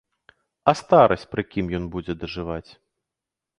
А старасць пры кім ён будзе дажываць?